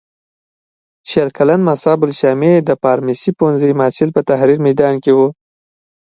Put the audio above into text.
شل کلن مصعب الشامي د فارمسۍ پوهنځي محصل په تحریر میدان کې و.